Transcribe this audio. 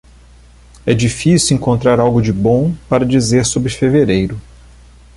É difícil encontrar algo de bom para dizer sobre fevereiro.